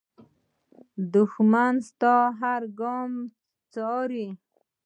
دښمن ستا هر ګام څاري